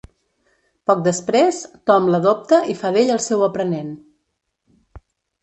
Poc després, Tom l'adopta i fa d'ell el seu aprenent.